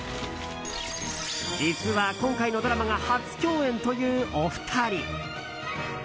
実は、今回のドラマが初共演という、お二人。